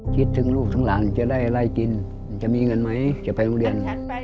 คิดถึงลูกทั้งหลานจะได้ไล่กินจะมีเงินไหมจะไปโรงเรียน